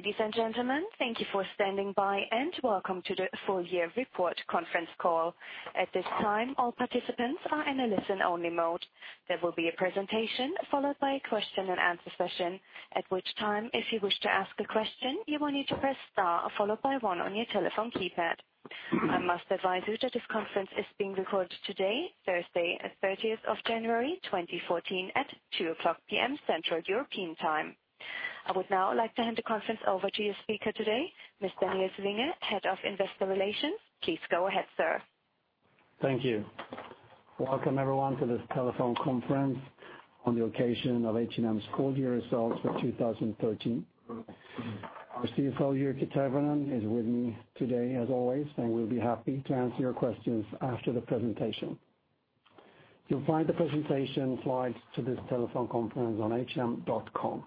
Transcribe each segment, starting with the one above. Ladies and gentlemen, thank you for standing by, welcome to the full year report conference call. At this time, all participants are in a listen-only mode. There will be a presentation followed by a question and answer session, at which time, if you wish to ask a question, you will need to press star followed by one on your telephone keypad. I must advise you that this conference is being recorded today, Thursday, 30th of January, 2014, at 2:00 P.M. Central European time. I would now like to hand the conference over to your speaker today, Mr. Nils Vinge, Head of Investor Relations. Please go ahead, sir. Thank you. Welcome, everyone, to this telephone conference on the occasion of H&M's full year results for 2013. Our CFO, Jyrki Tervonen, is with me today, as always, we'll be happy to answer your questions after the presentation. You'll find the presentation slides to this telephone conference on h&m.com.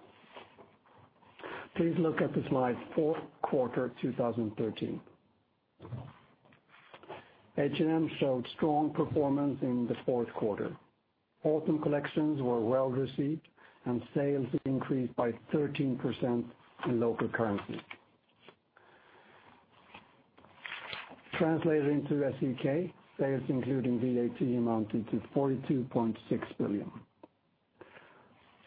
Please look at the slide, fourth quarter 2013. H&M showed strong performance in the fourth quarter. Autumn collections were well-received, sales increased by 13% in local currency. Translated into SEK, sales including VAT amounted to 42.6 billion.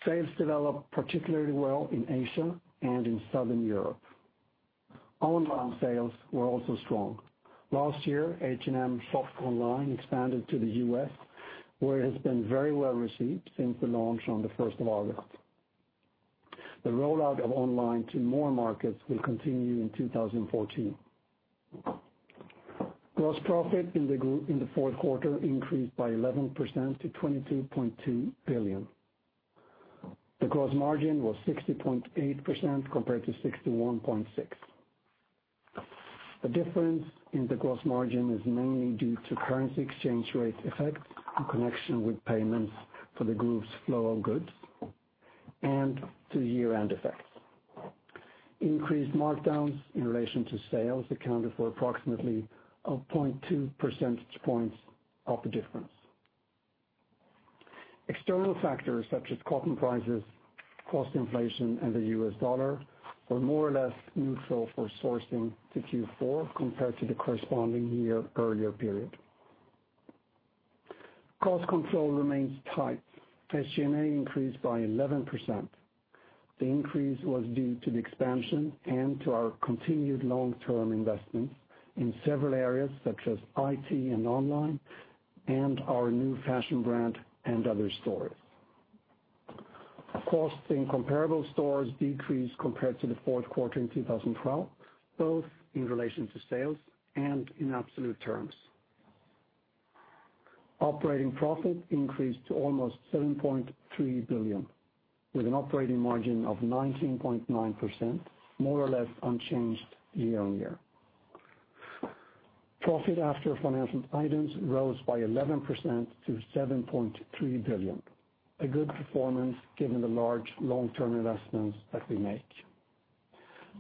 Sales developed particularly well in Asia and in Southern Europe. Online sales were also strong. Last year, H&M soft online expanded to the U.S., where it has been very well-received since the launch on the 1st of August. The rollout of online to more markets will continue in 2014. Gross profit in the fourth quarter increased by 11% to 22.2 billion. The gross margin was 60.8% compared to 61.6%. The difference in the gross margin is mainly due to currency exchange rate effect in connection with payments for the group's flow of goods and to year-end effects. Increased markdowns in relation to sales accounted for approximately 0.2 percentage points of the difference. External factors such as cotton prices, cost inflation, and the U.S. dollar were more or less neutral for sourcing to Q4 compared to the corresponding year earlier period. Cost control remains tight. SG&A increased by 11%. The increase was due to the expansion and to our continued long-term investments in several areas such as IT and online and our new fashion brand & Other Stories. Cost in comparable stores decreased compared to the fourth quarter in 2012, both in relation to sales and in absolute terms. Operating profit increased to almost 7.3 billion, with an operating margin of 19.9%, more or less unchanged year-on-year. Profit after financial items rose by 11% to 7.3 billion. A good performance given the large long-term investments that we make.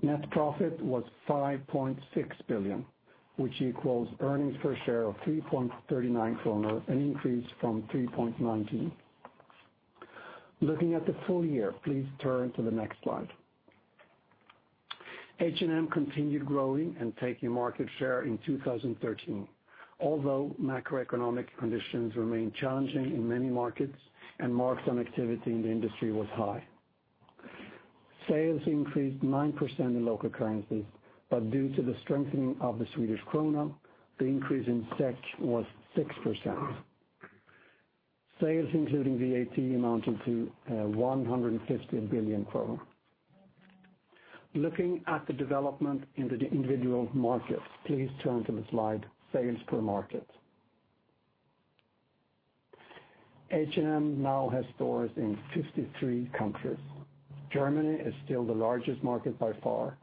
Net profit was 5.6 billion, which equals earnings per share of 3.39 kronor, an increase from 3.19. Looking at the full year, please turn to the next slide. H&M continued growing and taking market share in 2013, although macroeconomic conditions remained challenging in many markets and marks on activity in the industry was high. Sales increased 9% in local currency, due to the strengthening of the Swedish krona, the increase in SEK was 6%. Sales including VAT amounted to 150 billion krona. Looking at the development into the individual markets, please turn to the slide, sales per market. H&M now has stores in 53 countries. Germany is still the largest market by far,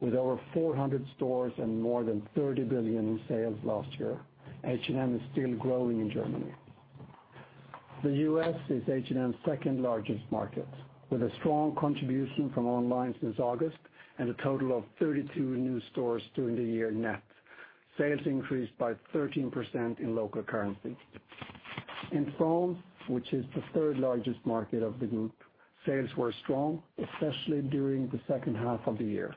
with over 400 stores and more than 30 billion in sales last year. H&M is still growing in Germany. The U.S. is H&M's second largest market, with a strong contribution from online since August and a total of 32 new stores during the year net. Sales increased by 13% in local currency. In France, which is the third largest market of the group, sales were strong, especially during the second half of the year.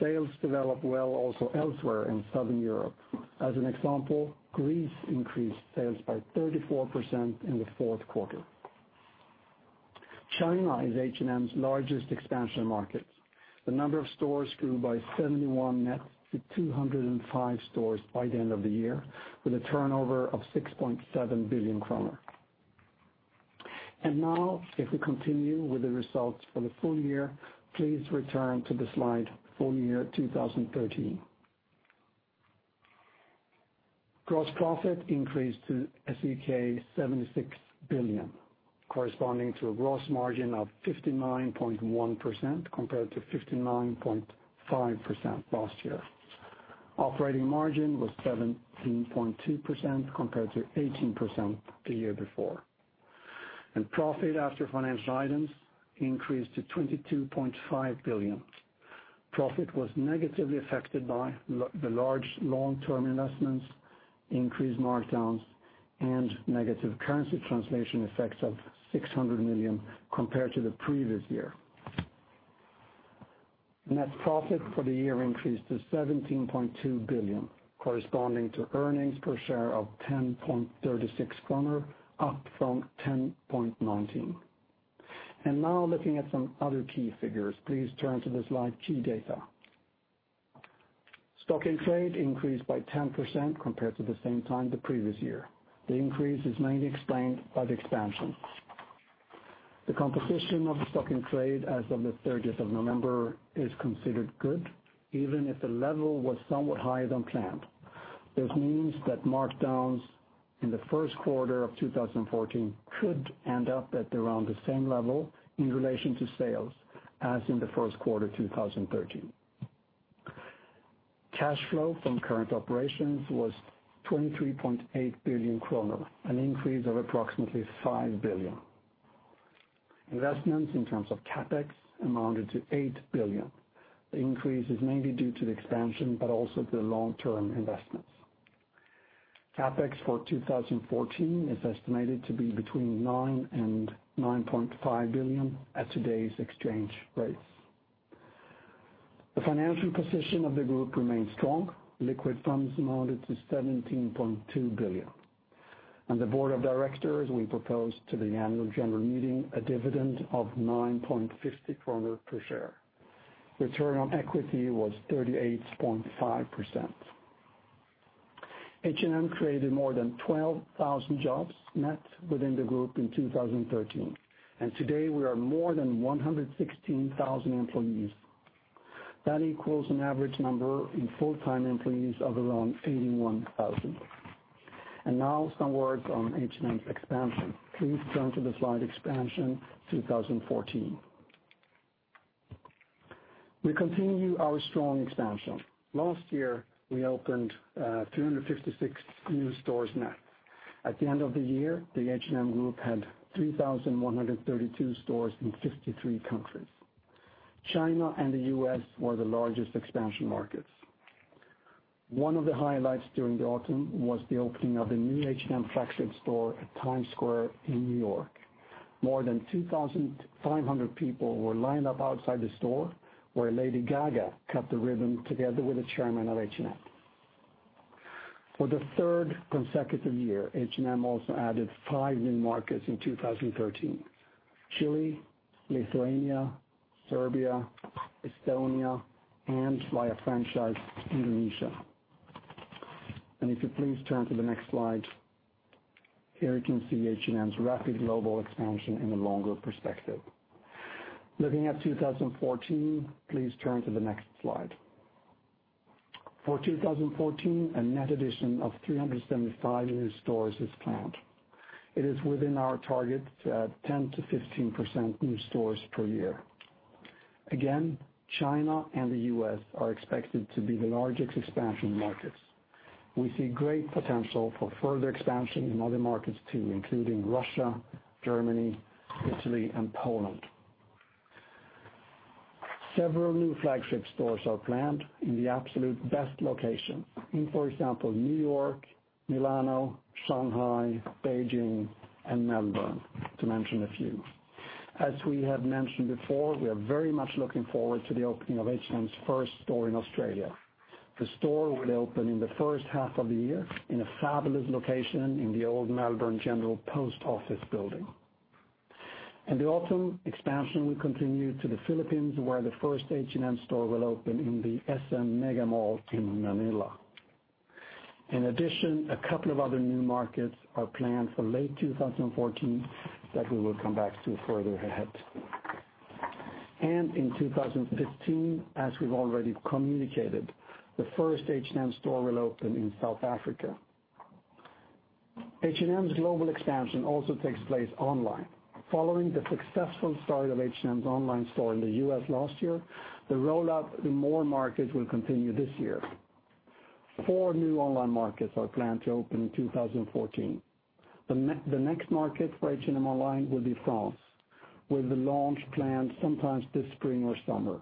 Sales developed well also elsewhere in Southern Europe. As an example, Greece increased sales by 34% in the fourth quarter. China is H&M's largest expansion market. The number of stores grew by 71 net to 205 stores by the end of the year, with a turnover of 6.7 billion kronor. Now, if we continue with the results for the full year, please return to the slide full year 2013. Gross profit increased to SEK 76 billion, corresponding to a gross margin of 59.1% compared to 59.5% last year. Operating margin was 17.2% compared to 18% the year before. Profit after financial items increased to 22.5 billion. Profit was negatively affected by the large long-term investments, increased markdowns, and negative currency translation effects of 600 million compared to the previous year. Net profit for the year increased to 17.2 billion, corresponding to earnings per share of 10.36 kronor, up from 10.19. Now looking at some other key figures. Please turn to the slide Key Data. Stock in trade increased by 10% compared to the same time the previous year. The increase is mainly explained by the expansion. The composition of the stock in trade as of the 30th of November is considered good, even if the level was somewhat higher than planned. This means that markdowns in the first quarter of 2014 could end up at around the same level in relation to sales as in the first quarter 2013. Cash flow from current operations was 23.8 billion kronor, an increase of approximately 5 billion. Investments in terms of CapEx amounted to 8 billion. The increase is mainly due to the expansion but also the long-term investments. CapEx for 2014 is estimated to be between 9 billion and 9.5 billion at today's exchange rates. The financial position of the group remains strong. Liquid funds amounted to 17.2 billion. The board of directors will propose to the annual general meeting a dividend of 9.50 kronor per share. Return on equity was 38.5%. H&M created more than 12,000 jobs net within the group in 2013, and today we are more than 116,000 employees. That equals an average number in full-time employees of around 81,000. Now some words on H&M's expansion. Please turn to the slide Expansion 2014. We continue our strong expansion. Last year, we opened 356 new stores net. At the end of the year, the H&M Group had 3,132 stores in 53 countries. China and the U.S. were the largest expansion markets. One of the highlights during the autumn was the opening of the new H&M flagship store at Times Square in New York. More than 2,500 people were lined up outside the store, where Lady Gaga cut the ribbon together with the chairman of H&M. For the third consecutive year, H&M also added five new markets in 2013: Chile, Lithuania, Serbia, Estonia, and via franchise, Indonesia. If you please turn to the next slide. Here you can see H&M's rapid global expansion in a longer perspective. Looking at 2014, please turn to the next slide. For 2014, a net addition of 375 new stores is planned. It is within our target to add 10%-15% new stores per year. China and the U.S. are expected to be the largest expansion markets. We see great potential for further expansion in other markets too, including Russia, Germany, Italy, and Poland. Several new flagship stores are planned in the absolute best locations in, for example, New York, Milano, Shanghai, Beijing, and Melbourne, to mention a few. As we have mentioned before, we are very much looking forward to the opening of H&M's first store in Australia. The store will open in the first half of the year in a fabulous location in the old Melbourne General Post Office building. The autumn expansion will continue to the Philippines, where the first H&M store will open in the SM Megamall in Manila. In addition, a couple of other new markets are planned for late 2014 that we will come back to further ahead. In 2015, as we've already communicated, the first H&M store will open in South Africa. H&M's global expansion also takes place online. Following the successful start of H&M's online store in the U.S. last year, the rollout in more markets will continue this year. Four new online markets are planned to open in 2014. The next market for H&M Online will be France, with the launch planned sometime this spring or summer.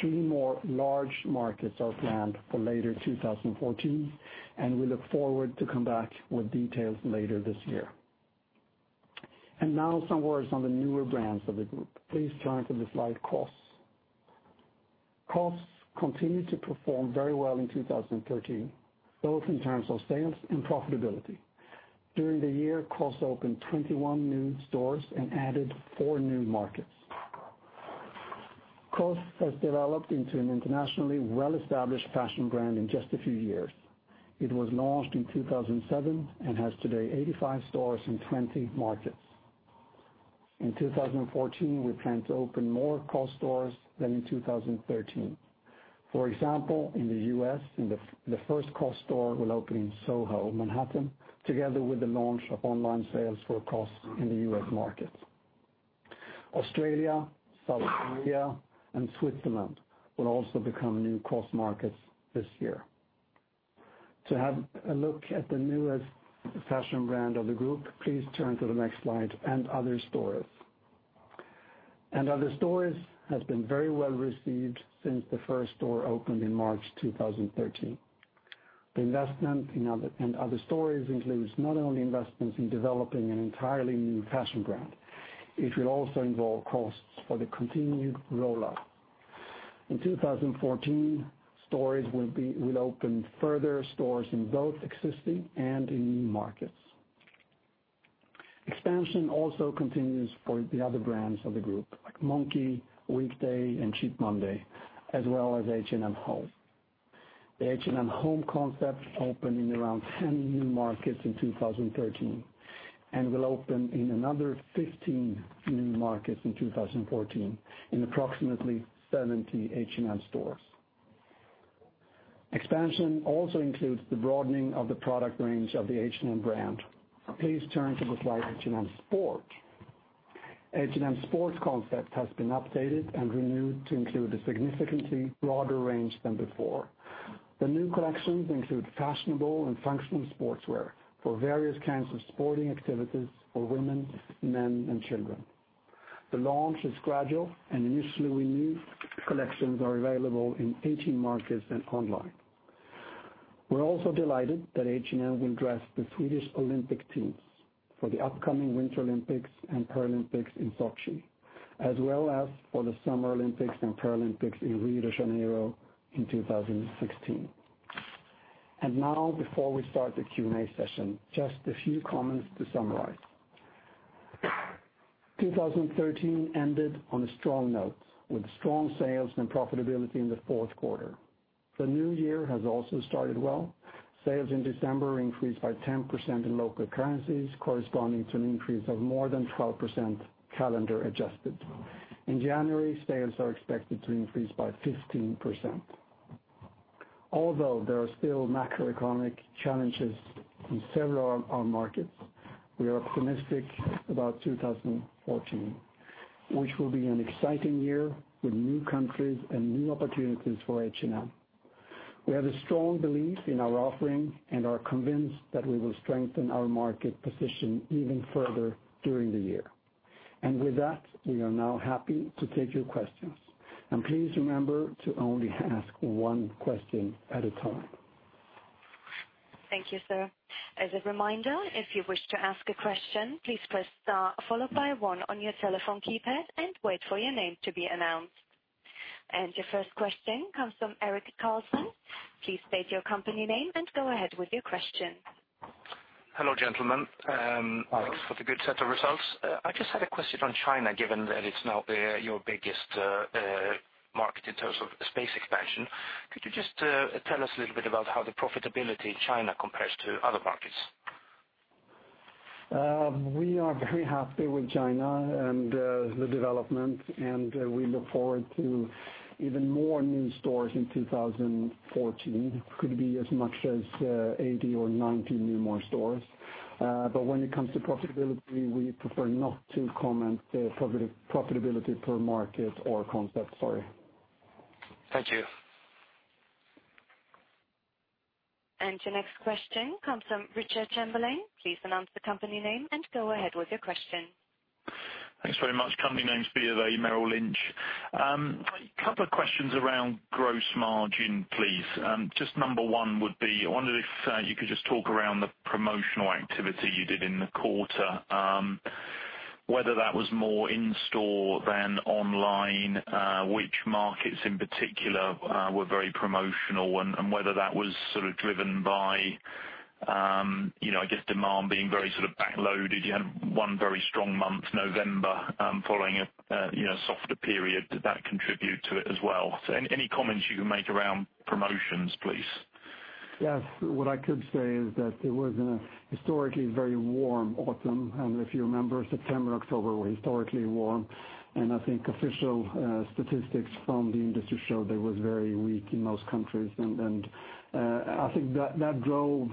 Three more large markets are planned for later 2014, and we look forward to come back with details later this year. Now some words on the newer brands of the group. Please turn to the slide COS. COS continued to perform very well in 2013, both in terms of sales and profitability. During the year, COS opened 21 new stores and added four new markets. COS has developed into an internationally well-established fashion brand in just a few years. It was launched in 2007 and has today 85 stores in 20 markets. In 2014, we plan to open more COS stores than in 2013. For example, in the U.S., the first COS store will open in SoHo, Manhattan, together with the launch of online sales for COS in the U.S. market. Australia, South Korea, and Switzerland will also become new COS markets this year. To have a look at the newest fashion brand of the group, please turn to the next slide, & Other Stories. & Other Stories has been very well received since the first store opened in March 2013. The investment in & Other Stories includes not only investments in developing an entirely new fashion brand, it will also involve costs for the continued rollout. In 2014, & Other Stories will open further stores in both existing and in new markets. Expansion also continues for the other brands of the group, like Monki, Weekday and Cheap Monday, as well as H&M Home. The H&M Home concept opened in around 10 new markets in 2013, and will open in another 15 new markets in 2014, in approximately 70 H&M stores. Expansion also includes the broadening of the product range of the H&M brand. Please turn to the slide, H&M Sport. H&M Sport concept has been updated and renewed to include a significantly broader range than before. The new collections include fashionable and functional sportswear for various kinds of sporting activities for women, men, and children. The launch is gradual, and initially, new collections are available in 18 markets and online. We're also delighted that H&M will dress the Swedish Olympic teams for the upcoming Winter Olympics and Paralympics in Sochi, as well as for the Summer Olympics and Paralympics in Rio de Janeiro in 2016. Now, before we start the Q&A session, just a few comments to summarize. 2013 ended on a strong note, with strong sales and profitability in the fourth quarter. The new year has also started well. Sales in December increased by 10% in local currencies, corresponding to an increase of more than 12% calendar adjusted. In January, sales are expected to increase by 15%. Although there are still macroeconomic challenges in several of our markets, we are optimistic about 2014, which will be an exciting year with new countries and new opportunities for H&M. We have a strong belief in our offering and are convinced that we will strengthen our market position even further during the year. With that, we are now happy to take your questions. Please remember to only ask one question at a time. Thank you, sir. As a reminder, if you wish to ask a question, please press star followed by one on your telephone keypad and wait for your name to be announced. Your first question comes from Eric Carlson. Please state your company name and go ahead with your question. Hello, gentlemen. Thanks for the good set of results. I just had a question on China, given that it's now your biggest market in terms of space expansion. Could you just tell us a little bit about how the profitability in China compares to other markets? We are very happy with China and the development, we look forward to even more new stores in 2014. Could be as much as 80 or 90 new more stores. When it comes to profitability, we prefer not to comment profitability per market or concept. Sorry. Thank you. Your next question comes from Richard Chamberlain. Please announce the company name and go ahead with your question. Thanks very much. Company name is BofA Merrill Lynch. A couple of questions around gross margin, please. Just number 1 would be, I wondered if you could just talk around the promotional activity you did in the quarter, whether that was more in store than online, which markets in particular were very promotional, and whether that was driven by just demand being very back-loaded. You had one very strong month, November, following a softer period. Did that contribute to it as well? Any comments you can make around promotions, please. Yes. What I could say is that it was a historically very warm autumn, if you remember, September, October were historically warm. I think official statistics from the industry show they were very weak in most countries. I think that drove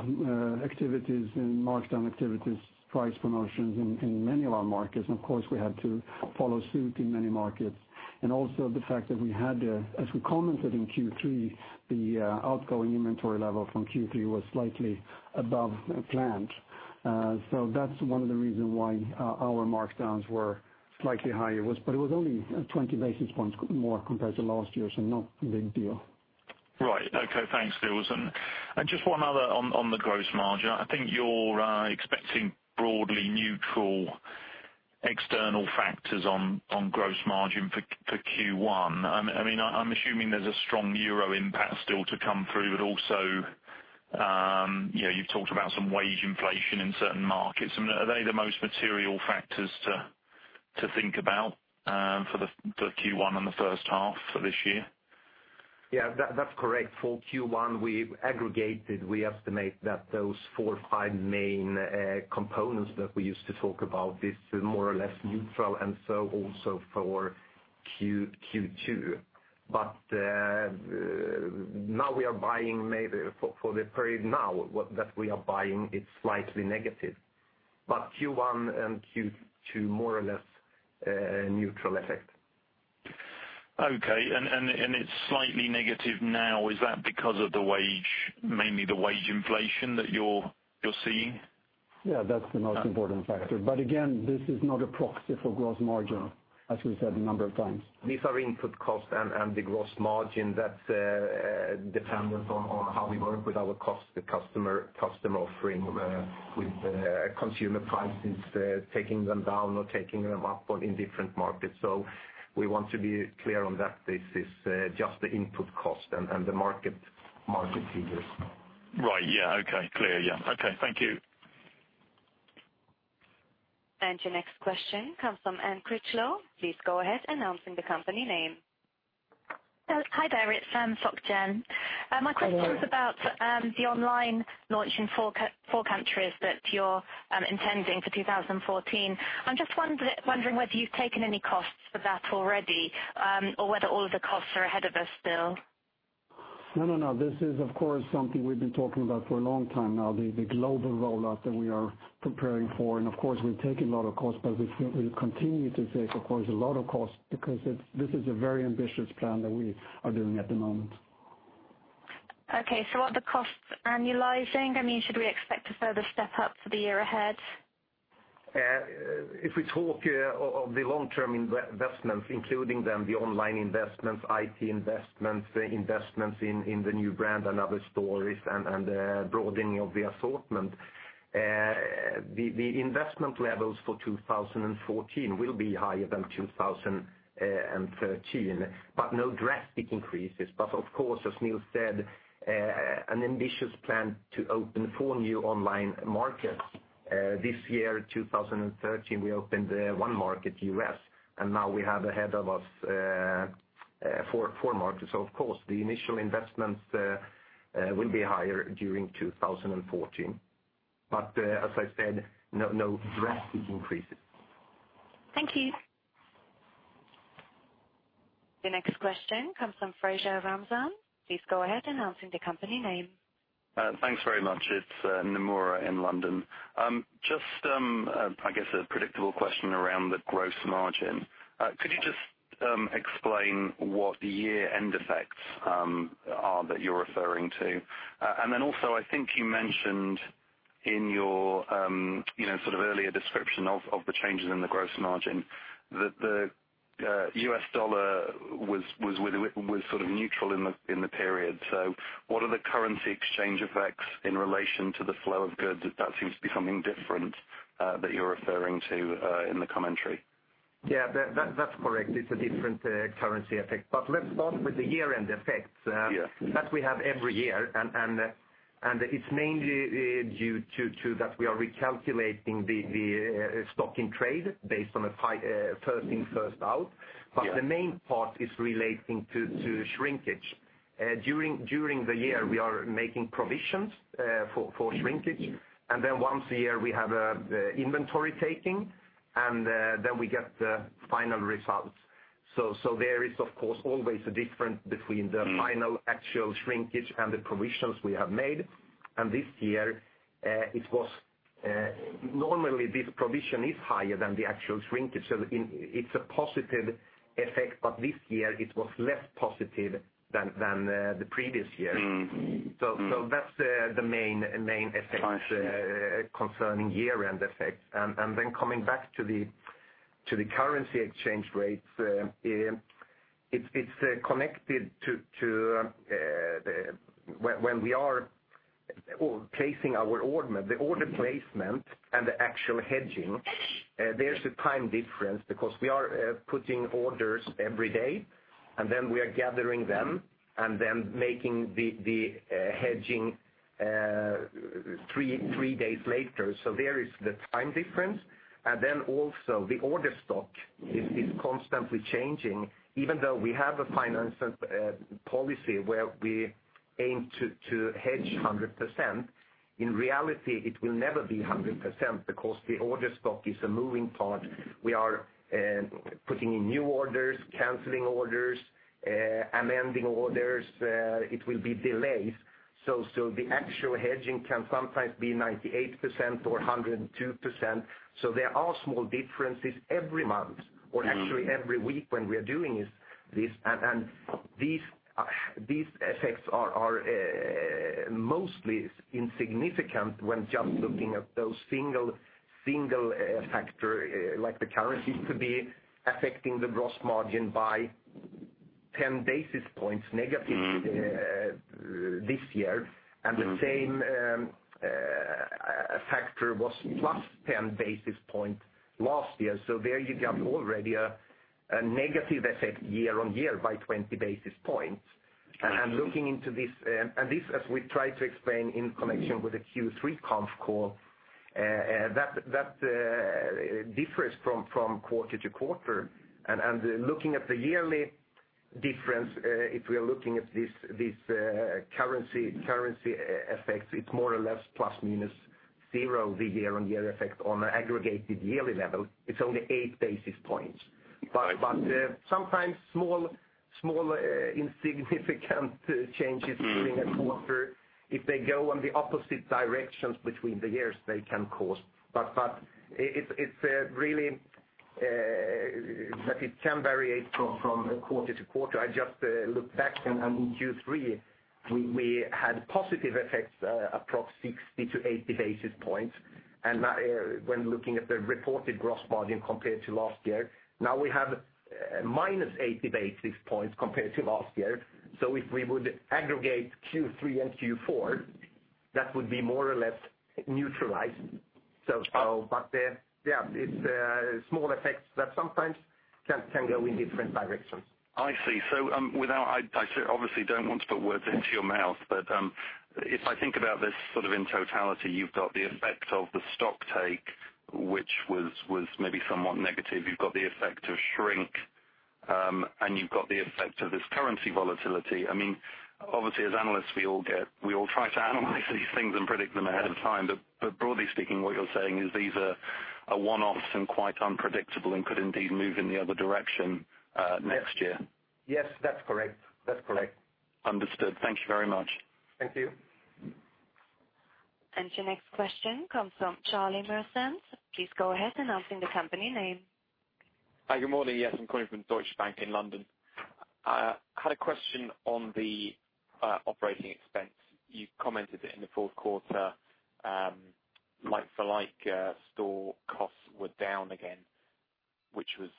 activities and markdown activities, price promotions in many of our markets. Of course, we had to follow suit in many markets. Also the fact that we had, as we commented in Q3, the outgoing inventory level from Q3 was slightly above plan. That's one of the reasons why our markdowns were slightly higher. It was only 20 basis points more compared to last year, so not a big deal. Right. Okay, thanks, Nils Vinge. Just one other on the gross margin. I think you're expecting broadly neutral external factors on gross margin for Q1. I'm assuming there's a strong euro impact still to come through, but also, you've talked about some wage inflation in certain markets. Are they the most material factors to think about for the Q1 and the first half for this year? Yeah, that's correct. For Q1, we aggregated, we estimate that those four or five main components that we used to talk about, this is more or less neutral, so also for Q2. For the period now that we are buying, it's slightly negative. Q1 and Q2, more or less a neutral effect. Okay. It's slightly negative now, is that because of mainly the wage inflation that you're seeing? Yeah, that's the most important factor. Again, this is not a proxy for gross margin, as we've said a number of times. These are input costs and the gross margin that's dependent on how we work with our customer offering with consumer prices, taking them down or taking them up in different markets. We want to be clear on that. This is just the input cost and the market figures. Right. Yeah, okay. Clear. Thank you. Your next question comes from Anne Critchlow. Please go ahead, announcing the company name. Hi there, it's from Société Générale. Hello. My question is about the online launch in four countries that you're intending for 2014. I'm just wondering whether you've taken any costs for that already, or whether all of the costs are ahead of us still. No, this is, of course, something we've been talking about for a long time now, the global rollout that we are preparing for. Of course, we've taken a lot of costs, but we'll continue to take, of course, a lot of costs because this is a very ambitious plan that we are doing at the moment. Okay. What are the costs annualizing? Should we expect a further step up for the year ahead? If we talk of the long-term investments, including the online investments, IT investments in the new brand & Other Stories, and broadening of the assortment, the investment levels for 2014 will be higher than 2013, no drastic increases. Of course, as Nils said, an ambitious plan to open 4 new online markets. This year, 2013, we opened one market, the U.S., and now we have ahead of us 4 markets. Of course, the initial investments will be higher during 2014. As I said, no drastic increases. Thank you. The next question comes from Fraser Ramzan. Please go ahead announcing the company name. Thanks very much. It's Nomura in London. Just, I guess a predictable question around the gross margin. Could you just explain what the year-end effects are that you're referring to? Also, I think you mentioned in your earlier description of the changes in the gross margin that the U.S. dollar was sort of neutral in the period. What are the currency exchange effects in relation to the flow of goods? That seems to be something different that you're referring to in the commentary. Yeah, that's correct. It's a different currency effect. Let's start with the year-end effects. Yeah. That we have every year, it's mainly due to that we are recalculating the stock in trade based on a first in, first out. Yeah. The main part is relating to shrinkage. During the year, we are making provisions for shrinkage, then once a year, we have inventory taking, then we get the final results. There is, of course, always a difference between the final actual shrinkage and the provisions we have made. This year, normally this provision is higher than the actual shrinkage, so it's a positive effect, but this year it was less positive than the previous year. That's the main effect. I see Coming back to the currency exchange rates, it's connected to when we are placing our order. The order placement and the actual hedging, there's a time difference because we are putting orders every day, then we are gathering them and then making the hedging three days later. There is the time difference. Also the order stock is constantly changing. Even though we have a finance policy where we aim to hedge 100%, in reality, it will never be 100% because the order stock is a moving part. We are putting in new orders, canceling orders, amending orders. It will be delays. So the actual hedging can sometimes be 98% or 102%. There are small differences every month or actually every week when we are doing this. These effects are mostly insignificant when just looking at those single factor, like the currency could be affecting the gross margin by 10 basis points negative this year, and the same factor was plus 10 basis point last year. There you have already a negative effect year-on-year by 20 basis points. Looking into this, as we tried to explain in connection with the Q3 conf call, that differs from quarter to quarter. Looking at the yearly difference, if we are looking at these currency effects, it's more or less plus minus zero the year-on-year effect on an aggregated yearly level. It's only eight basis points. I see. Sometimes small insignificant changes during a quarter, if they go on the opposite directions between the years, they can cause. It can variate from quarter to quarter. I just looked back and in Q3, we had positive effects, approx. 60 to 80 basis points, when looking at the reported gross margin compared to last year. Now we have -80 basis points compared to last year. If we would aggregate Q3 and Q4, that would be more or less neutralized. Yeah, it's small effects that sometimes can go in different directions. I see. I obviously don't want to put words into your mouth, if I think about this sort of in totality, you've got the effect of the stock take, which was maybe somewhat negative. You've got the effect of shrink, and you've got the effect of this currency volatility. Obviously, as analysts, we all try to analyze these things and predict them ahead of time. Broadly speaking, what you're saying is these are one-offs and quite unpredictable and could indeed move in the other direction next year. Yes, that's correct. Understood. Thank you very much. Thank you. Your next question comes from Charlie Southern. Please go ahead, announcing the company name. Hi, good morning. Yes, I'm calling from Deutsche Bank in London. I had a question on the operating expense. You commented that in the fourth quarter, like-for-like store costs were down again, which was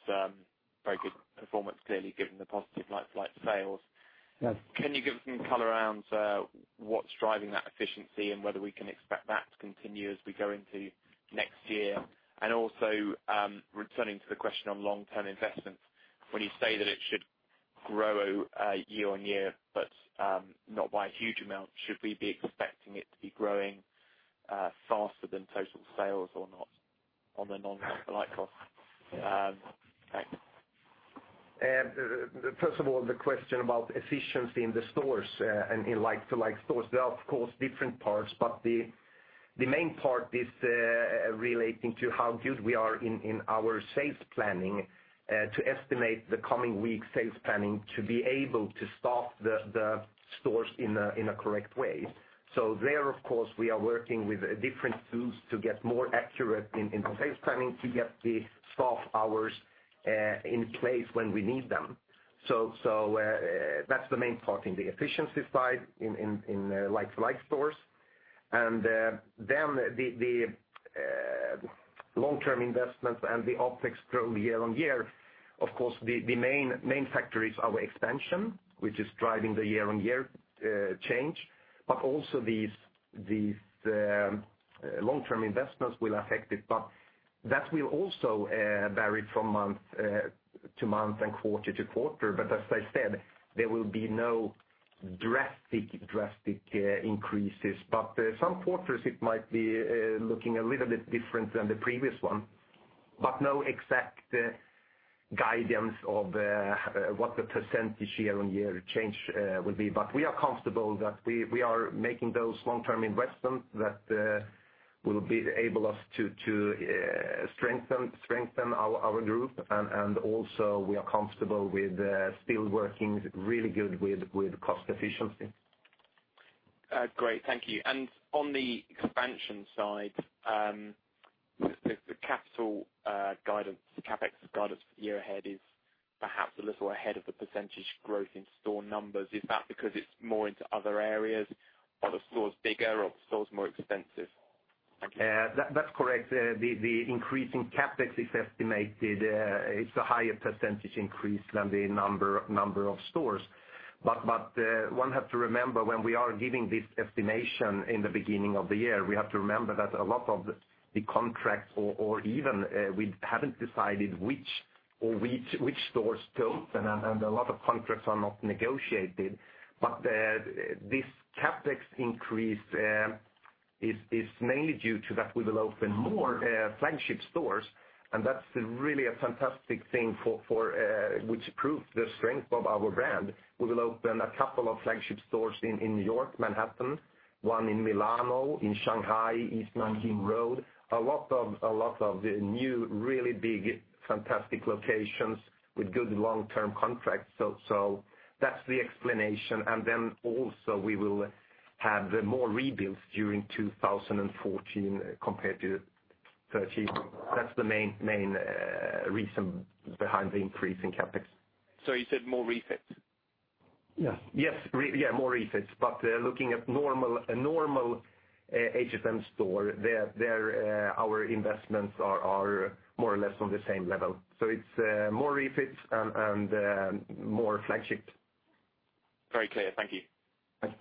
very good performance, clearly, given the positive like-for-like sales. Yes. Can you give us some color around what's driving that efficiency and whether we can expect that to continue as we go into next year? Also, returning to the question on long-term investments, when you say that it should grow year-over-year, but not by a huge amount, should we be expecting it to be growing faster than total sales or not on the non-like-for-like cost? Thanks. First of all, the question about efficiency in the stores and in like-to-like stores. There are, of course, different parts, but the main part is relating to how good we are in our sales planning to estimate the coming week sales planning to be able to staff the stores in a correct way. There, of course, we are working with different tools to get more accurate in sales planning to get the staff hours in place when we need them. That's the main part in the efficiency side in like-for-like stores. The long-term investments and the OpEx growth year-on-year, of course, the main factor is our expansion, which is driving the year-on-year change. Also these long-term investments will affect it, but that will also vary from month to month and quarter to quarter. As I said, there will be no drastic increases. Some quarters, it might be looking a little bit different than the previous one, but no exact guidance of what the percentage year-on-year change will be. We are comfortable that we are making those long-term investments that will enable us to strengthen our group. Also, we are comfortable with still working really good with cost efficiency. Great. Thank you. On the expansion side, the capital guidance, CapEx guidance for the year ahead is perhaps a little ahead of the percentage growth in store numbers. Is that because it's more into other areas, are the stores bigger or are the stores more expensive? Thank you. That's correct. The increase in CapEx is estimated. It's a higher percentage increase than the number of stores. One has to remember when we are giving this estimation in the beginning of the year, we have to remember that a lot of the contracts, or even we haven't decided which stores to open, and a lot of contracts are not negotiated. This CapEx increase is mainly due to that we will open more flagship stores, and that's really a fantastic thing which proves the strength of our brand. We will open a couple of flagship stores in New York, Manhattan, one in Milano, in Shanghai, East Nanjing Road. A lot of the new, really big, fantastic locations with good long-term contracts. That's the explanation. Also we will have more rebuilds during 2014 compared to 2013. That's the main reason behind the increase in CapEx. You said more refits? Yes. More refits. Looking at a normal H&M store, our investments are more or less on the same level. It's more refits and more flagshipped. Very clear. Thank you. Thanks.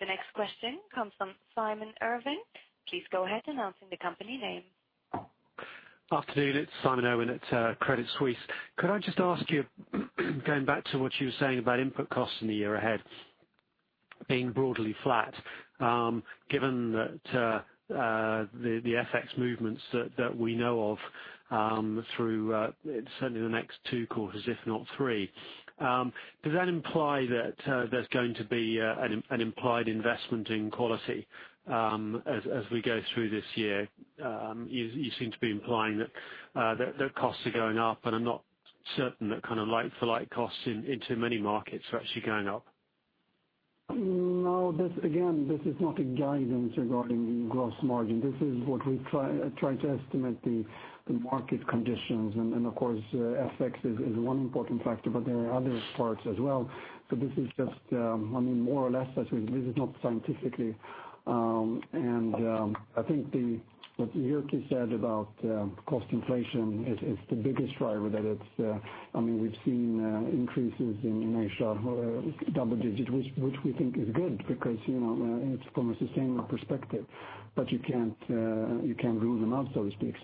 The next question comes from Simon Irwin. Please go ahead, announcing the company name. Afternoon, it's Simon Irwin at Credit Suisse. Could I just ask you, going back to what you were saying about input costs in the year ahead being broadly flat. Given that the FX movements that we know of through certainly the next two quarters, if not three, does that imply that there's going to be an implied investment in quality as we go through this year? You seem to be implying that costs are going up, I'm not certain that like-for-like costs in too many markets are actually going up. No. Again, this is not a guidance regarding gross margin. This is what we try to estimate the market conditions. Of course, FX is one important factor, there are other parts as well. This is just more or less, this is not scientifically. I think what Jyrki said about cost inflation is the biggest driver. We've seen increases in Asia, double digit, which we think is good because it's from a sustainable perspective. You can't rule them out, so to speak.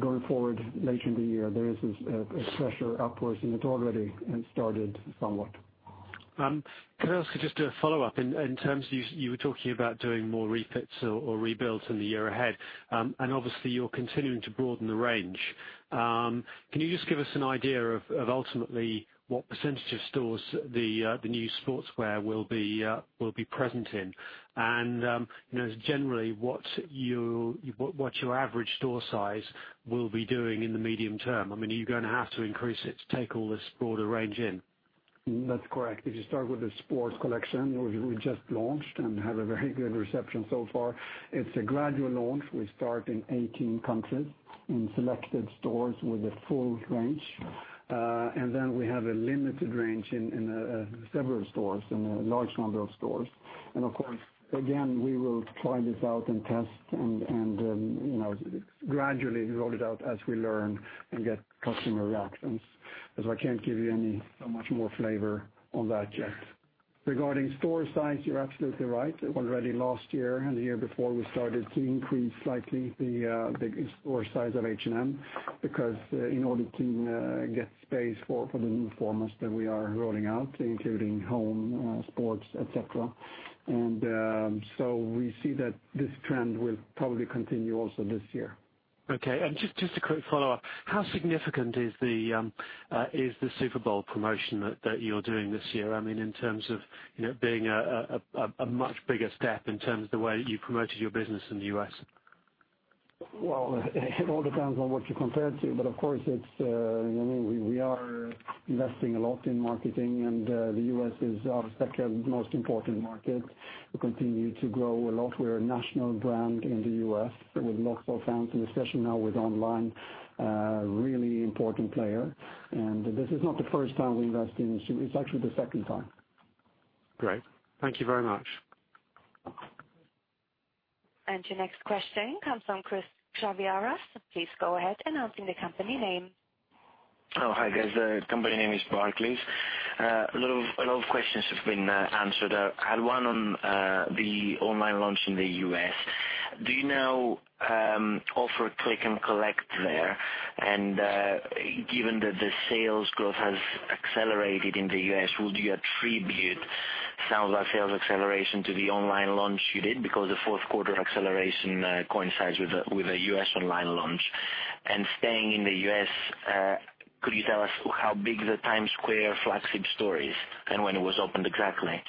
Going forward, later in the year, there is a pressure upwards it already started somewhat. Can I ask just a follow-up in terms, you were talking about doing more refits or rebuilds in the year ahead, and obviously you're continuing to broaden the range. Can you just give us an idea of ultimately what % of stores the new sportswear will be present in? Generally, what your average store size will be doing in the medium term? Are you going to have to increase it to take all this broader range in? That's correct. If you start with the sports collection, we just launched and had a very good reception so far. It's a gradual launch. We start in 18 countries in selected stores with a full range. We have a limited range in several stores, in a large number of stores. Of course, again, we will try this out and test and gradually roll it out as we learn and get customer reactions. I can't give you any much more flavor on that yet. Regarding store size, you're absolutely right. Already last year and the year before, we started to increase slightly the store size of H&M, because in order to get space for the new formats that we are rolling out, including H&M Home, H&M Sport, et cetera. We see that this trend will probably continue also this year. Okay. Just a quick follow-up. How significant is the Super Bowl promotion that you're doing this year, in terms of being a much bigger step in terms of the way you promoted your business in the U.S.? Well, it all depends on what you compare it to, but of course, we are investing a lot in marketing, and the U.S. is our second most important market. We continue to grow a lot. We're a national brand in the U.S. with lots of fans, and especially now with online, a really important player. This is not the first time we invest in it. It's actually the second time. Great. Thank you very much. Your next question comes from Chris Chavira. Please go ahead and announce the company name. Hi, guys. The company name is Barclays. A lot of questions have been answered. I had one on the online launch in the U.S. Do you now offer click and collect there? Given that the sales growth has accelerated in the U.S., would you attribute some of that sales acceleration to the online launch you did because the fourth quarter acceleration coincides with the U.S. online launch? Staying in the U.S., could you tell us how big the Times Square flagship store is, and when it was opened exactly?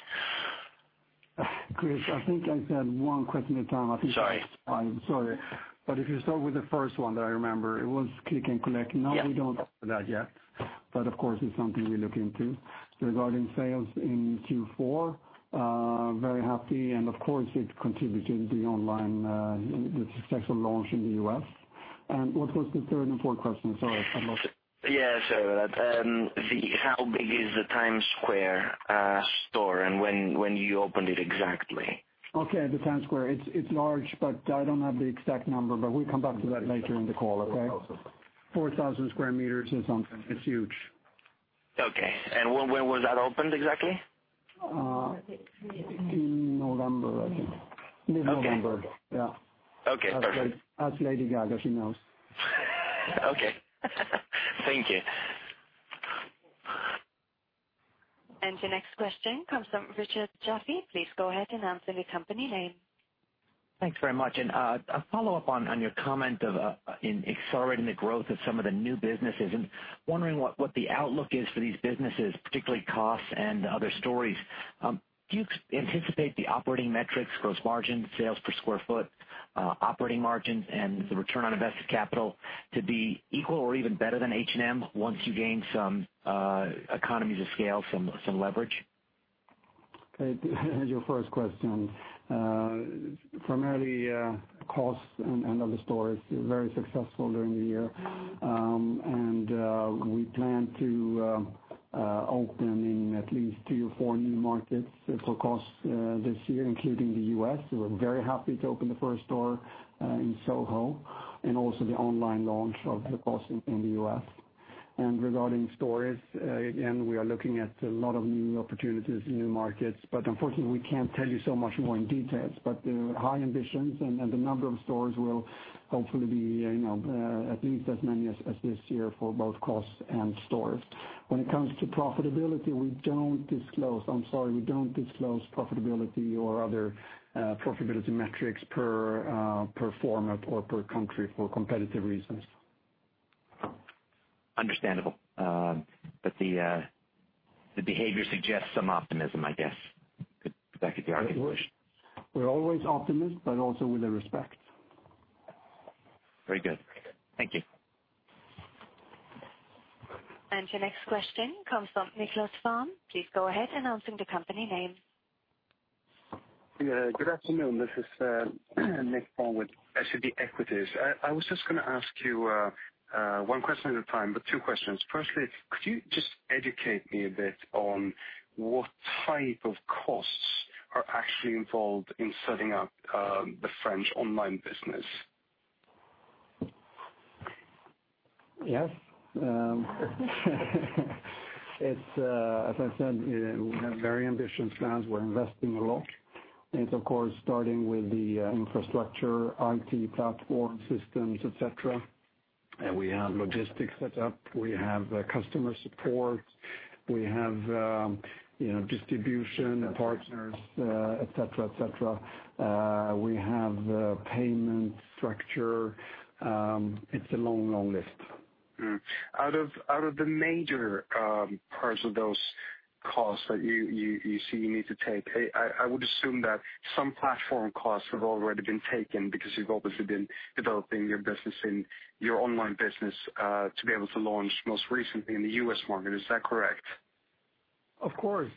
Chris, I think I said one question at a time. Sorry. I'm sorry. If you start with the first one that I remember, it was click and collect. Yeah. No, we don't offer that yet. Of course, it's something we look into. Regarding sales in Q4, very happy and of course it contributed, the online, the successful launch in the U.S. What was the third and fourth question? Sorry, I lost it. Yeah, sorry about that. How big is the Times Square store, when you opened it exactly? Okay, the Times Square. It's large, but I don't have the exact number, but we'll come back to that later in the call, okay? 4,000. 4,000 sq m or something. It's huge. Okay. When was that opened exactly? In November, I think. Okay. Mid-November. Yeah. Okay, perfect. Ask Lady Gaga, she knows. Okay. Thank you. The next question comes from Richard Jaffe. Please go ahead and announce the company name. Thanks very much. A follow-up on your comment of in accelerating the growth of some of the new businesses, wondering what the outlook is for these businesses, particularly COS and & Other Stories. Do you anticipate the operating metrics, gross margin, sales per square foot, operating margins, and the return on invested capital to be equal or even better than H&M once you gain some economies of scale, some leverage? Your first question. Primarily, COS and & Other Stories were very successful during the year. We plan to open in at least three or four new markets for COS this year, including the U.S. We're very happy to open the first store in SoHo, also the online launch of COS in the U.S. Regarding stores, again, we are looking at a lot of new opportunities in new markets, unfortunately, we can't tell you so much more in details. High ambitions and the number of stores will hopefully be at least as many as this year for both COS and & Other Stories. When it comes to profitability, I'm sorry, we don't disclose profitability or other profitability metrics per format or per country for competitive reasons. Understandable. The behavior suggests some optimism, I guess. Could that be the argument? We're always optimist, but also with respect. Very good. Thank you. Your next question comes from Niklas Ekman. Please go ahead, announcing the company name. Yeah. Good afternoon. This is Nick Fhärm with SEB Equities. I was just going to ask you one question at a time, but two questions. Firstly, could you just educate me a bit on what type of costs are actually involved in setting up the French online business? Yes. As I said, we have very ambitious plans. We're investing a lot. It's of course, starting with the infrastructure, IT platform systems, et cetera. We have logistics set up. We have customer support. We have distribution partners, et cetera. We have a payment structure. It's a long list. Out of the major parts of those costs that you see you need to take, I would assume that some platform costs have already been taken because you've obviously been developing your business in your online business, to be able to launch most recently in the U.S. market. Is that correct? Of course,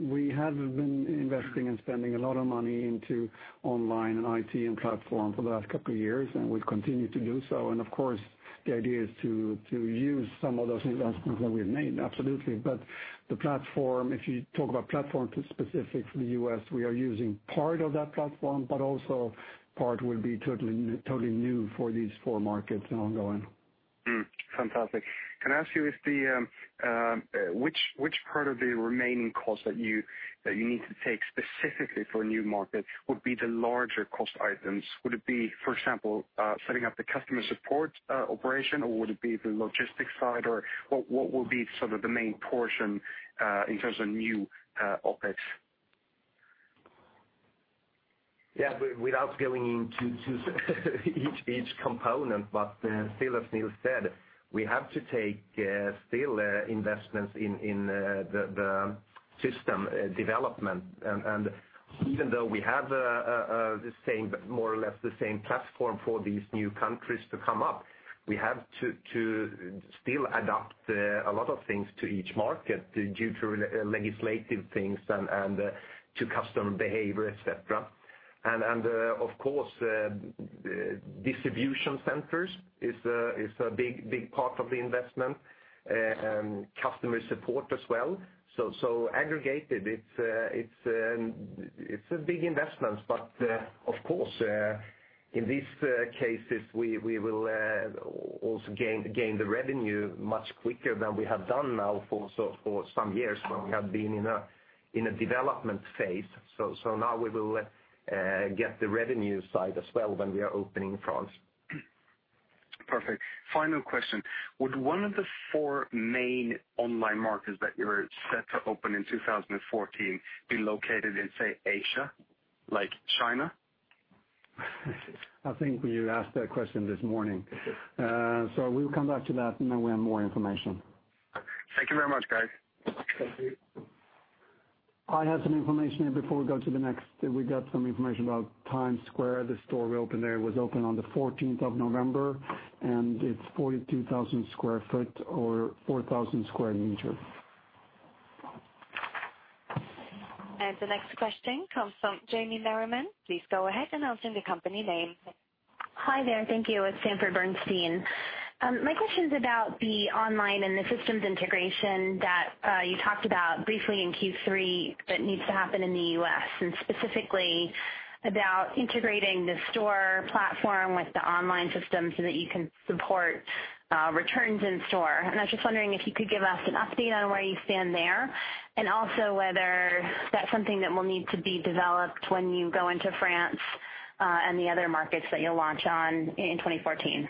we have been investing and spending a lot of money into online and IT and platform for the last couple of years, and we've continued to do so. Of course, the idea is to use some of those investments that we've made. Absolutely. The platform, if you talk about platform specific for the U.S., we are using part of that platform, but also part will be totally new for these four markets and ongoing. Fantastic. Can I ask you, which part of the remaining costs that you need to take specifically for a new market would be the larger cost items? Would it be, for example, setting up the customer support operation, or would it be the logistics side, or what would be the main portion, in terms of new OpEx? Yeah. Still, as Nils said, we have to take still investments in the system development. Even though we have more or less the same platform for these new countries to come up, we have to still adapt a lot of things to each market due to legislative things and to customer behavior, et cetera. Of course, distribution centers is a big part of the investment, and customer support as well. Aggregated, it's a big investment. Of course, in these cases, we will also gain the revenue much quicker than we have done now for some years when we have been in a development phase. Now we will get the revenue side as well when we are opening France. Perfect. Final question. Would one of the four main online markets that you're set to open in 2014 be located in, say, Asia, like China? I think you asked that question this morning. We'll come back to that when we have more information. Thank you very much, guys. Thank you. I have some information here before we go to the next. We got some information about Times Square, the store we opened there. It was opened on the 14th of November. It's 42,000 sq ft or 4,000 sq m. The next question comes from Jamie Merriman. Please go ahead, announcing the company name. Hi there. Thank you. It's Sanford Bernstein. My question's about the online and the systems integration that you talked about briefly in Q3 that needs to happen in the U.S., and specifically about integrating the store platform with the online system so that you can support returns in store. I was just wondering if you could give us an update on where you stand there, and also whether that's something that will need to be developed when you go into France, and the other markets that you'll launch on in 2014.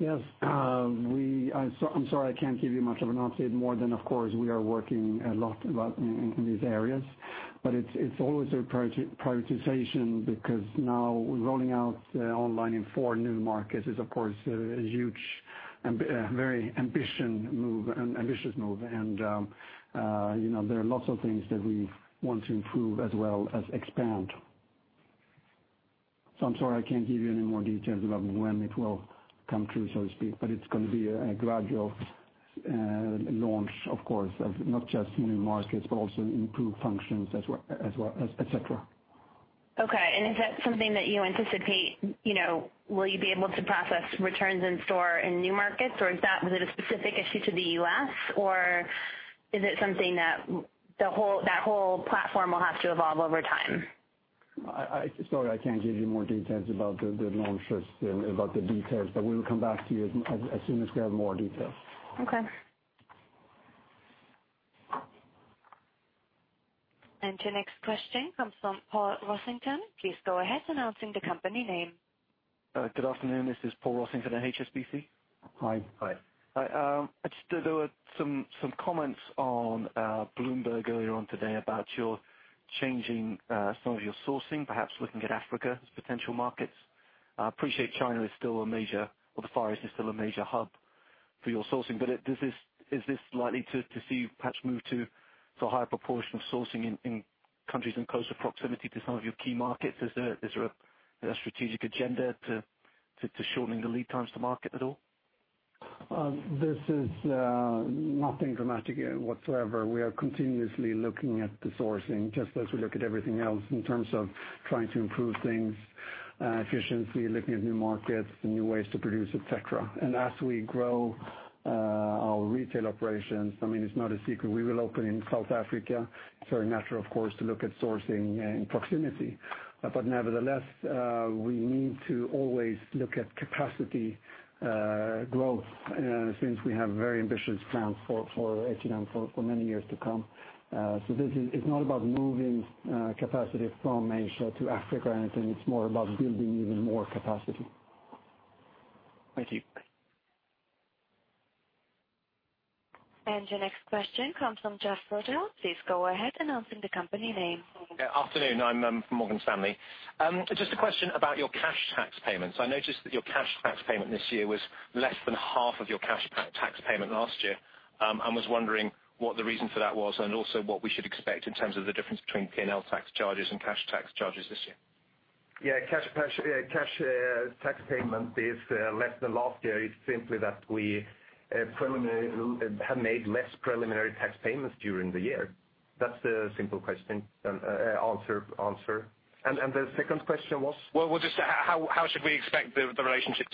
Yes. I'm sorry I can't give you much of an update more than, of course, we are working a lot in these areas. It's always a prioritization because now rolling out online in four new markets is of course, a huge and very ambitious move. There are lots of things that we want to improve as well as expand. I'm sorry, I can't give you any more details about when it will come through, so to speak, but it's going to be a gradual launch, of course, of not just new markets, but also improved functions as well, et cetera. Okay. Will you be able to process returns in store in new markets, or was it a specific issue to the U.S., or is it something that whole platform will have to evolve over time? Sorry, I can't give you more details about the launch and about the details, but we will come back to you as soon as we have more details. Okay. Your next question comes from Paul Rossington. Please go ahead announcing the company name. Good afternoon. This is Paul Rossington at HSBC. Hi. Hi. There were some comments on Bloomberg earlier on today about your changing some of your sourcing, perhaps looking at Africa as potential markets. I appreciate China is still a major, or the Far East is still a major hub for your sourcing. Is this likely to see you perhaps move to a higher proportion of sourcing in Countries in closer proximity to some of your key markets, is there a strategic agenda to shortening the lead times to market at all? This is nothing dramatic whatsoever. We are continuously looking at the sourcing just as we look at everything else in terms of trying to improve things, efficiency, looking at new markets and new ways to produce, et cetera. As we grow our retail operations, it's not a secret, we will open in South Africa. It's very natural, of course, to look at sourcing in proximity. Nevertheless, we need to always look at capacity growth, since we have very ambitious plans for H&M for many years to come. It's not about moving capacity from Asia to Africa or anything. It's more about building even more capacity. Thank you. Your next question comes from Geoff Ruddell. Please go ahead, announcing the company name. Afternoon. I'm from Morgan Stanley. Just a question about your cash tax payments. I noticed that your cash tax payment this year was less than half of your cash tax payment last year, and was wondering what the reason for that was, and also what we should expect in terms of the difference between P&L tax charges and cash tax charges this year. Cash tax payment is less than last year is simply that we have made less preliminary tax payments during the year. That's the simple answer. The second question was? Just how should we expect the relationship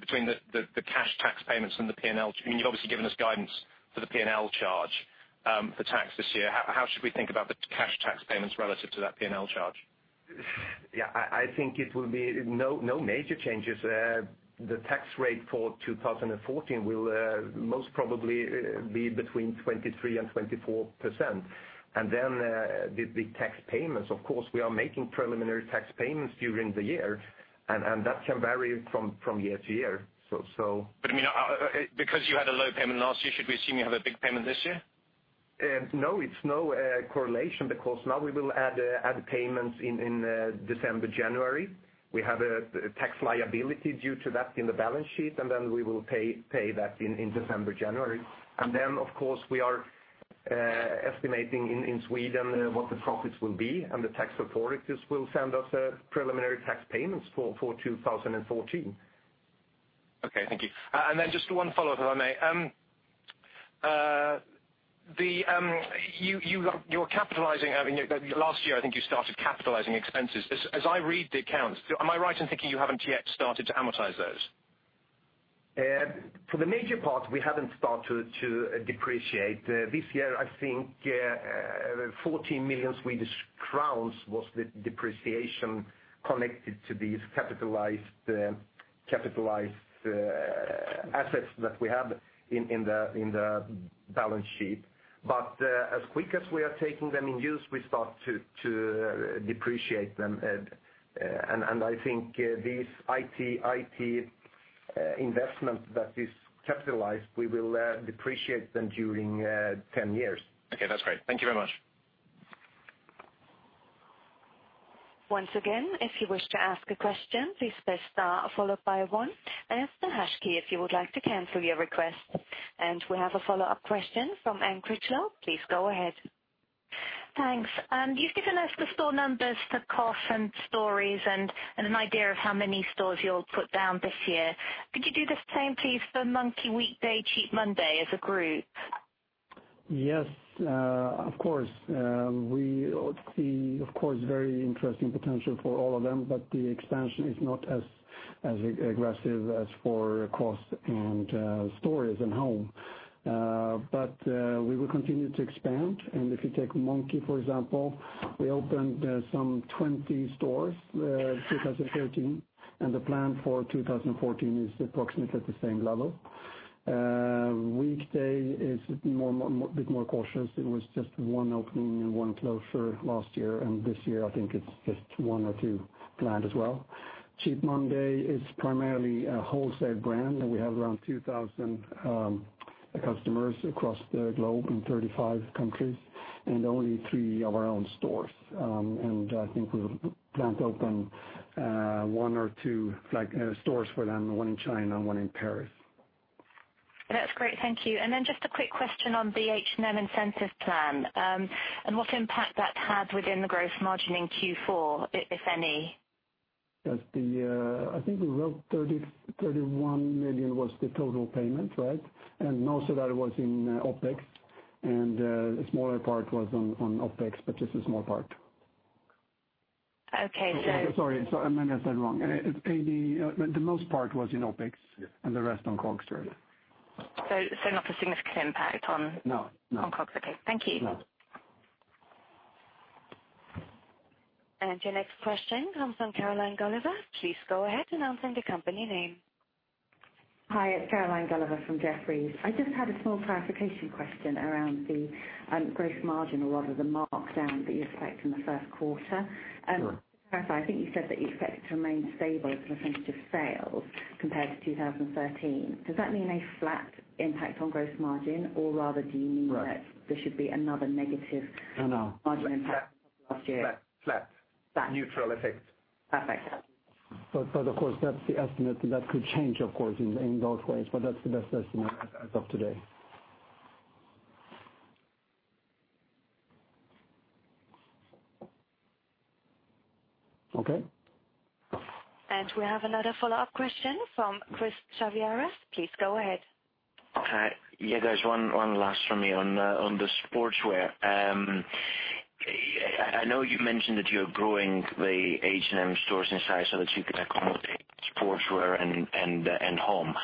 between the cash tax payments and the P&L? You've obviously given us guidance for the P&L charge for tax this year. How should we think about the cash tax payments relative to that P&L charge? Yeah. I think it will be no major changes. The tax rate for 2014 will most probably be between 23% and 24%. The big tax payments, of course, we are making preliminary tax payments during the year, and that can vary from year to year. Because you had a low payment last year, should we assume you have a big payment this year? No, it's no correlation because now we will add payments in December, January. We have a tax liability due to that in the balance sheet, and then we will pay that in December, January. Of course, we are estimating in Sweden what the profits will be, and the tax authorities will send us preliminary tax payments for 2014. Okay, thank you. Just one follow-up, if I may. You're capitalizing, last year, I think you started capitalizing expenses. As I read the accounts, am I right in thinking you haven't yet started to amortize those? For the major part, we haven't started to depreciate. This year, I think 14 million Swedish crowns was the depreciation connected to these capitalized assets that we have in the balance sheet. As quick as we are taking them in use, we start to depreciate them. I think these IT investment that is capitalized, we will depreciate them during 10 years. Okay, that's great. Thank you very much. Once again, if you wish to ask a question, please press star followed by one. # if you would like to cancel your request. We have a follow-up question from Anne Critchlow. Please go ahead. Thanks. You've given us the store numbers for COS and Stories, and an idea of how many stores you'll put down this year. Could you do the same, please, for Monki, Weekday, Cheap Monday as a group? Yes. Of course. We see very interesting potential for all of them, but the expansion is not as aggressive as for COS and & Other Stories and H&M Home. We will continue to expand. If you take Monki, for example, we opened some 20 stores, 2013, and the plan for 2014 is approximately the same level. Weekday is a bit more cautious. It was just one opening and one closure last year, and this year I think it's just one or two planned as well. Cheap Monday is primarily a wholesale brand, and we have around 2,000 customers across the globe in 35 countries, and only three of our own stores. I think we'll plan to open one or two stores for them, one in China, and one in Paris. That's great. Thank you. Just a quick question on the H&M incentive plan. What impact that had within the gross margin in Q4, if any? I think we wrote 31 million was the total payment, right? Most of that was in OpEx, a smaller part was on OpEx, just a small part. Okay. Sorry. I said it wrong. The most part was in OpEx, and the rest on COGS. Not a significant impact on No on COGS. Okay. Thank you. No. Your next question comes from Caroline Gulliver. Please go ahead, announcing the company name. Hi, it's Caroline Gulliver from Jefferies. I just had a small clarification question around the gross margin, or rather the markdown that you expect in the first quarter. Sure. To clarify, I think you said that you expect it to remain stable in % of sales compared to 2013. Does that mean a flat impact on gross margin, or rather, do you mean that. Right there should be another negative. No margin impact. Flat. Neutral effect. Perfect. Of course, that's the estimate. That could change, of course, in both ways, but that's the best estimate as of today. Okay. We have another follow-up question from Christos Chaviaras. Please go ahead. Hi. Yeah, guys, one last from me on the sportswear. I know you mentioned that you're growing the H&M stores in size so that you can accommodate sportswear and H&M Home.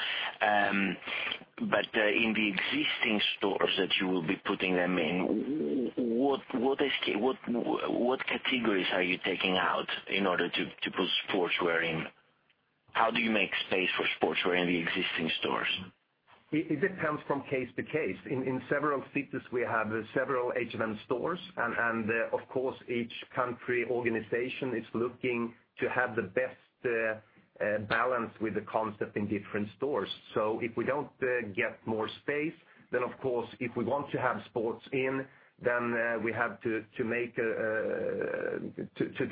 In the existing stores that you will be putting them in, what categories are you taking out in order to put sportswear in? How do you make space for sportswear in the existing stores? It depends from case to case. In several cities, we have several H&M stores. Of course, each country organization is looking to have the best balance with the concept in different stores. If we don't get more space, of course, if we want to have sports in, we have to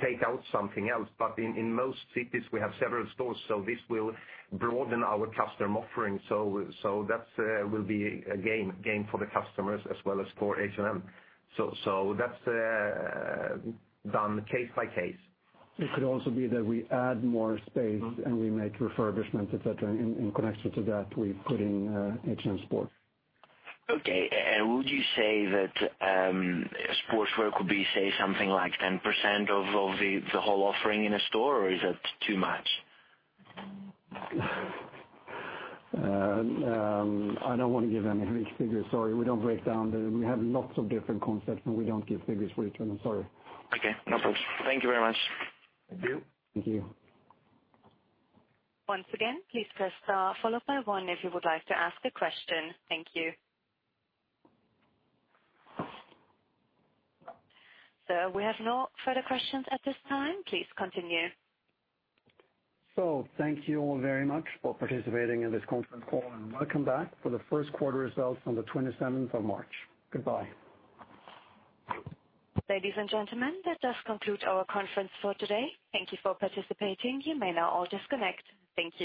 take out something else. In most cities, we have several stores, this will broaden our customer offering. That will be a gain for the customers as well as for H&M. That's done case by case. It could also be that we add more space and we make refurbishment, et cetera. In connection to that, we put in H&M Sport. Would you say that sportswear could be, say, something like 10% of the whole offering in a store, or is that too much? I don't want to give any figures, sorry. We have lots of different concepts, we don't give figures for each one. I'm sorry. Okay, no problem. Thank you very much. Thank you. Thank you. Once again, please press star followed by one if you would like to ask a question. Thank you. Sir, we have no further questions at this time. Please continue. Thank you all very much for participating in this conference call, and welcome back for the first quarter results on the 27th of March. Goodbye. Ladies and gentlemen, that does conclude our conference for today. Thank you for participating. You may now all disconnect. Thank you.